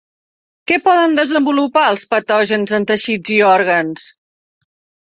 Què poden desenvolupar els patògens en teixits i òrgans?